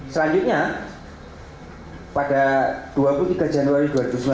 selanjutnya pada dua puluh tiga januari dua ribu sembilan belas